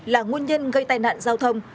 là nguồn nhân gây tai nạn giao thông